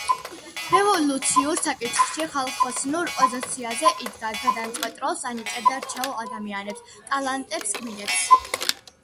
რევოლუციურ საკითხში ხალხოსნურ პოზიციაზე იდგა: გადამწყვეტ როლს ანიჭებდა რჩეულ ადამიანებს, ტალანტებს, გმირებს.